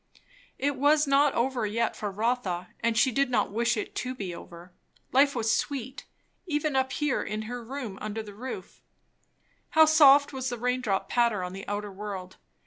It was not over yet for Rotha, and she did not wish it to be over; life was sweet, even up here in her room under the roof. How soft was the rain drop patter on the outer world!